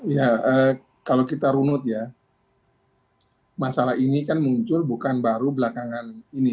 ya kalau kita runut ya masalah ini kan muncul bukan baru belakangan ini